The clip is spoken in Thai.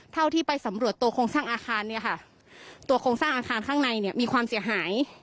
เท่าที่ไปสำรวจตัวโครงสร้างอาคารเนี่ยค่ะตัวโครงสร้างอาคารข้างในเนี่ยมีความเสียหาย